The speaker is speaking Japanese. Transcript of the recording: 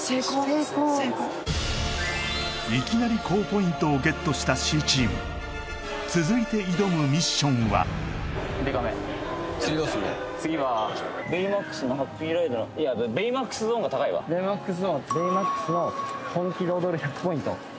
成功いきなり高ポイントをゲットしたＣチーム続いて挑むミッションはでかめ次はベイマックスのハッピーライドのベイマックスの本気で踊る１００ポイント